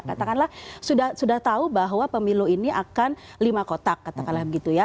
katakanlah sudah tahu bahwa pemilu ini akan lima kotak katakanlah begitu ya